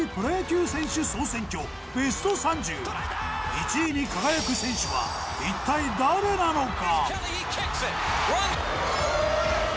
１位に輝く選手は一体誰なのか？